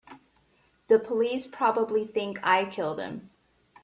The police probably think I killed him.